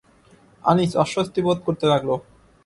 আনিস অস্বস্তি বোধ করতে লাগল।